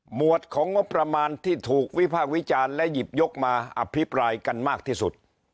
วดของงบประมาณที่ถูกวิภาควิจารณ์และหยิบยกมาอภิปรายกันมากที่สุด